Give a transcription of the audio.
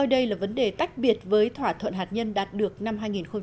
đây là vấn đề tách biệt với thỏa thuận hạt nhân đạt được năm hai nghìn một mươi năm